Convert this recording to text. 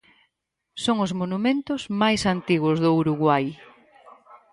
Son os monumentos máis antigos do Uruguai.